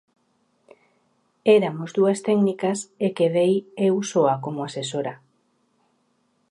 Eramos dúas técnicas e quedei eu soa como asesora.